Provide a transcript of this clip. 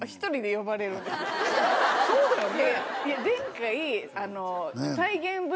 そうだよね。